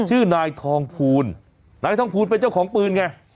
ชื่อนายทองภูลนายทองภูลเป็นเจ้าของปืนไง